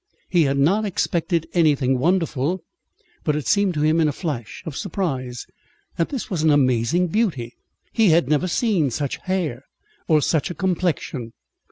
He had not expected anything wonderful, but it seemed to him in a flash of surprise that this was an amazing beauty. He had never seen such hair, or such a complexion.